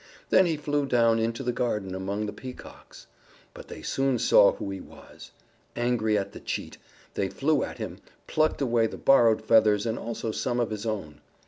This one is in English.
Then he flew down into the garden among the Peacocks. But they soon saw who he was. Angry at the cheat, they flew at him, plucking away the borrowed feathers and also some of his own.